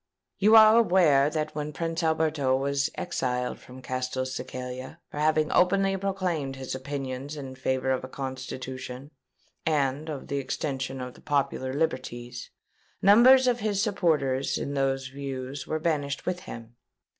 "You are aware that when Prince Alberto was exiled from Castelcicala for having openly proclaimed his opinions in favour of a Constitution and of the extension of the popular liberties, numbers of his supporters in those views were banished with him.